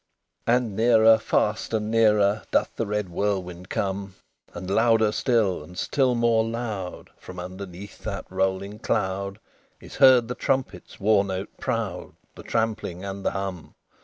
XXI And nearer fast and nearer Doth the red whirlwind come; And louder still and still more loud, From underneath that rolling cloud, Is heard the trumpet's war note proud, The trampling, and the hum.